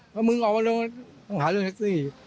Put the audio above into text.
เพราะมึงออกมาต้องหาเรื่องแท็กซี่